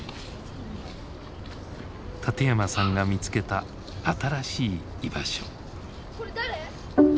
館山さんが見つけた新しい居場所。